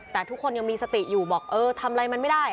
แต่ทุกคนยังมีสติอยู่บอกเออทำอะไรมันไม่ได้